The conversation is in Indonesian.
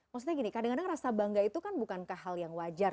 maksudnya gini kadang kadang rasa bangga itu kan bukankah hal yang wajar